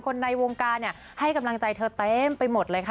ในวงการให้กำลังใจเธอเต็มไปหมดเลยค่ะ